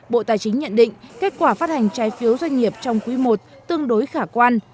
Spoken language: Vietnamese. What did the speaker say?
bộ tài chính nhận định kết quả phát hành trái phiếu doanh nghiệp trong quý i tương đối khả quan